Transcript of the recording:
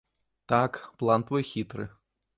Так, план твой хітры.